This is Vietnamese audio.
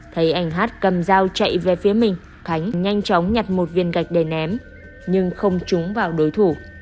thấy anh hát cầm dao chạy về phía mình khánh nhanh chóng nhặt một viên gạch đầy ném nhưng không trúng vào đối thủ